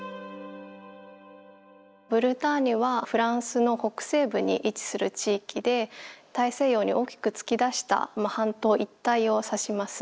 ブルターニュはフランスの北西部に位置する地域で大西洋に大きく突き出した半島一帯を指します。